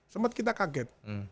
sempet kita kaget